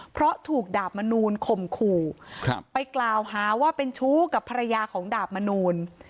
เพราะถูกดาบมนูลข่มขู่ไปกล่าวหาว่าเป็นชู้กับภรรยาของดาบมนูล